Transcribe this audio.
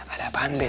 ada apaan deh